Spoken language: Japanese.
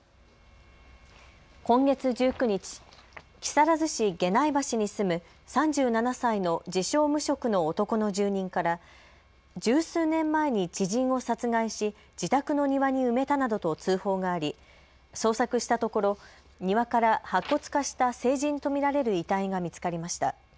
今月１９日、木更津市下内橋に住む３７歳の自称無職の男の住人から十数年前に知人を殺害し自宅の庭に埋めたなどと通報があり捜索したところ庭から白骨化した成人と見られる遺体が見つかりました。